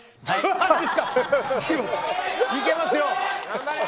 いけますよ。